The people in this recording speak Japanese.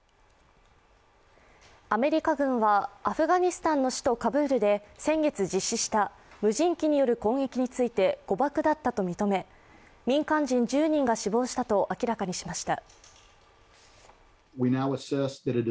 アメリカ軍は、アフガニスタンの首都・カブールで先月、実施した無人機による攻撃について誤爆だったと認め、民間人１０人が死亡したと明らかにしました。